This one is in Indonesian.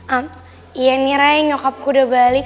amp iya nih rai nyokap gue udah balik